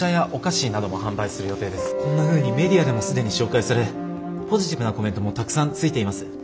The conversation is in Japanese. こんなふうにメディアでも既に紹介されポジティブなコメントもたくさんついています。